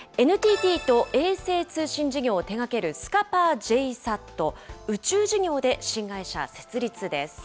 ＮＴＴと衛星通信事業を手がけるスカパーＪＳＡＴ、宇宙事業で新会社設立です。